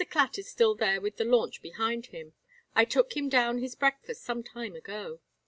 Clatt is still there with the launch behind him. I took him down his breakfast some time ago.